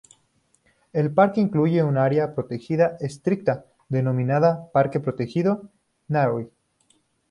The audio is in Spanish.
El Parque incluye un Área protegida estricta, denominada Parque protegido Narew.